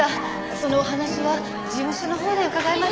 そのお話は事務所のほうで伺います。